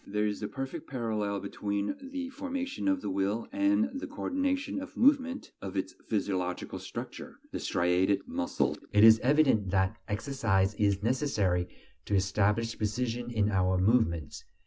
There is a perfect parallel between the formation of the will and the coordination of movement of its physiological structure, the striated muscles. It is evident that exercise is necessary to establish precision in our movements.